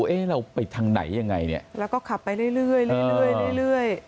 เอ๊ะเราไปทางไหนยังไงเนี่ยแล้วก็ขับไปเรื่อยเรื่อย